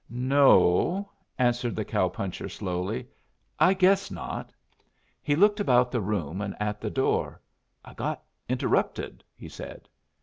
"No," answered the cow puncher, slowly. "I guess not." He looked about the room and at the door. "I got interrupted," he said.